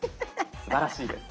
すばらしいです。